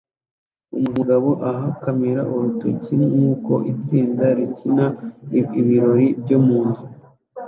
Umugabo aha kamera urutoki nkuko itsinda rikina ibirori byo munzu